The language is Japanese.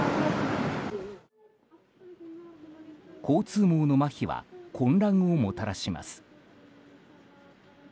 交通網のまひは混乱をもたらします。